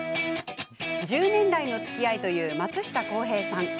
１０年来のつきあいという松下洸平さん。